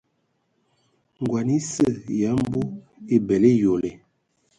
Ngɔn esə ya mbu ebələ eyole.